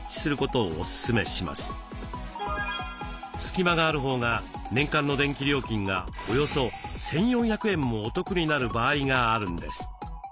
隙間があるほうが年間の電気料金がおよそ１，４００円もお得になる場合があるんです。